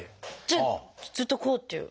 じゃあずっとこうっていう。